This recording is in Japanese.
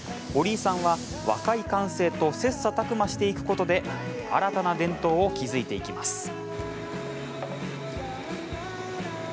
折井さんは若い感性と切さたく磨していくことで新たな伝統を築いていきます。